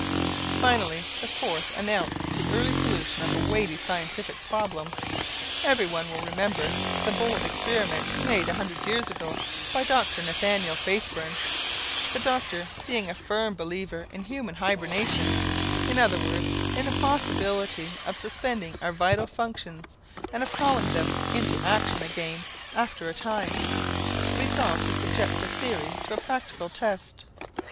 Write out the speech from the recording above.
Finally, the fourth announced the early solution of a weighty scientific problem. Every one will remember the bold experiment made a hundred years ago by Dr. Nathaniel Faithburn. The doctor, being a firm believer in human hibernation in other words, in the possibility of our suspending our vital functions and of calling them into action again after a time resolved to subject the theory to a practical test.